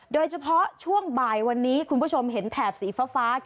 โดยเฉพาะช่วงบ่ายวันนี้คุณผู้ชมเห็นแถบสีฟ้า